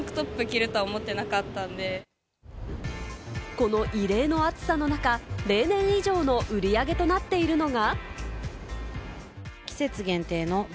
この異例の暑さの中、例年以上の売り上げとなっているのが。